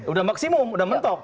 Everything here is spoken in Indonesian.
udah maksimum udah mentok